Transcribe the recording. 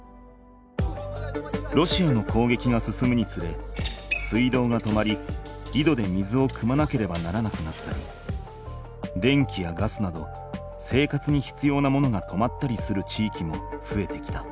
ロシアの攻撃が進むにつれ水道が止まりいどで水をくまなければならなくなったり電気やガスなど生活にひつようなものが止まったりする地域もふえてきた。